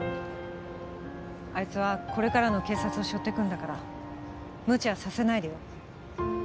あいつはこれからの警察を背負ってくんだからむちゃさせないでよ